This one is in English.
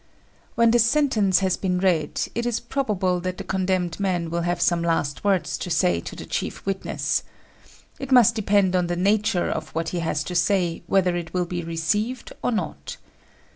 When the sentence has been read, it is probable that the condemned man will have some last words to say to the chief witness. It must depend on the nature of what he has to say whether it will be received or not.